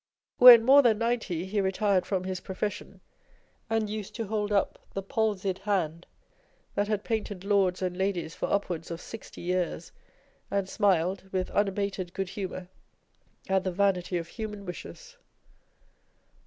When more than ninety, he retired from his profession, and used to hold up the palsied hand that had painted lords and ladies for upwards of sixty years, and smiled, with unabated good humour, at the vanity of human wishes.